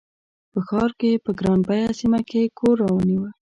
په ښار په ګران بیه سیمه کې کور رانیوه.